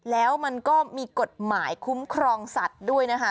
แล้วมันก็มีกฎหมายคุ้มครองสัตว์ด้วยนะคะ